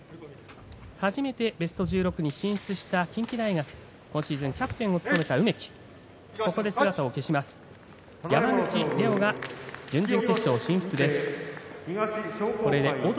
初めてベスト１６に進出した近畿大学今シーズンキャプテンを務めた梅木竜治郎、